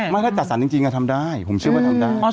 ไม่ถ้าจัดสรรจริงทำได้ผมเชื่อว่าทำได้